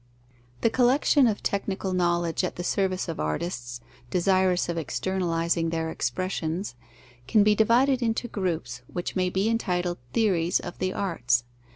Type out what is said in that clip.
_ The collection of technical knowledge at the service of artists desirous of externalizing their expressions, can be divided into groups, which may be entitled theories of the arts.